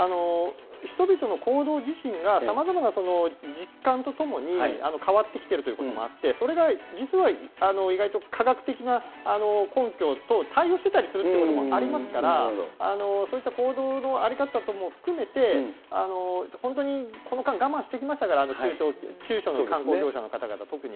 人々の行動自身がさまざまな実感とともに変わってきているということもあって、それが実は意外と科学的な根拠と対応してたりするっていうこともありますから、そういった行動の在り方とも含めて、本当にこの間、我慢してきましたから、中小の観光業者の方々、特に。